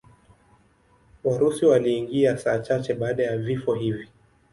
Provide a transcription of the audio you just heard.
Warusi waliingia saa chache baada ya vifo hivi.